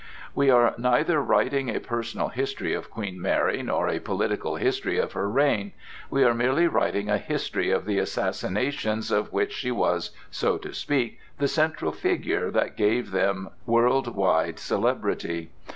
We are neither writing a personal history of Queen Mary, nor a political history of her reign; we are merely writing a history of the assassinations of which she was, so to speak, the central figure that gave them world wide celebrity.